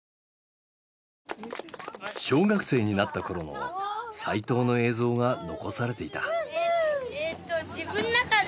小学生になった頃の齋藤の映像が残されていた。